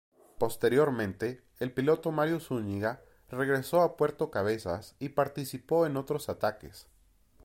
Posteriormente, el piloto Mario Zúñiga regresó a Puerto Cabezas y participó en otros ataques.